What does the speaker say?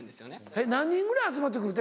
えっ何人ぐらい集まって来るって？